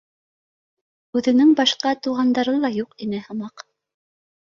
— Үҙенең башҡа туғандары ла юҡ ине һымаҡ